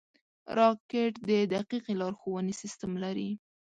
راکټ د دقیقې لارښونې سیسټم لري